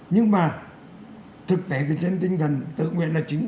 nhưng mà thực tế thì trên tinh thần tự nguyện là chính